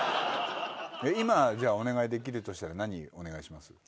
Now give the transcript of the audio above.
今じゃあお願いできるとしたら何お願いします？